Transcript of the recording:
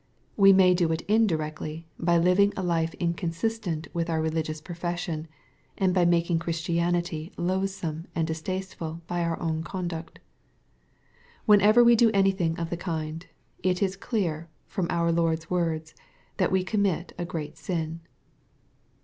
We may do it indirectly by living a life inconsistent with our religious profession, and by mating Christianity loath some and distasteful by our own conduct. Whenever we do anything of the kind, it is clear, from our Lord's words, that we commit a great sin.